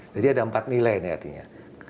jadi ada empat nilai ini artinya